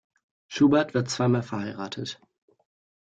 Schubert war zweimal verheiratet.